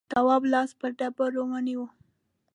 تواب لاس پر ډبره ونيو.